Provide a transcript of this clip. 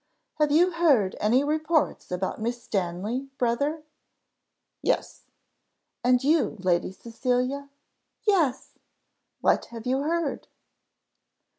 "Have you heard any reports about Miss Stanley, brother?" "Yes." "And you, Lady Cecilia?" "Yes." "What have you heard?"